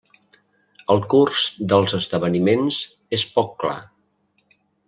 El curs dels esdeveniments és poc clar.